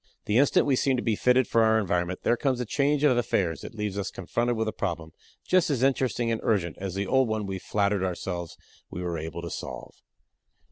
The instant we seem to be fitted for our environment there comes a change of affairs that leaves us confronted with a problem just as interesting and urgent as the old one we flattered ourselves we were able to solve.